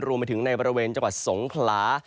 รวมไปถึงในบริเวณจังหวัดสงขลา